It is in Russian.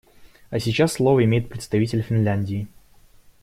А сейчас слово имеет представитель Финляндии.